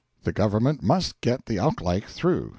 The Government must get the Ausgleich through.